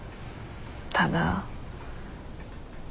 ただ。